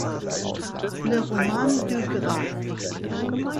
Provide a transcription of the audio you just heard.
Le roman du Graal.